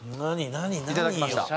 いただきました？